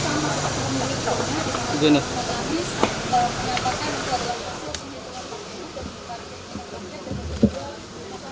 saya sanky delimus dari idr times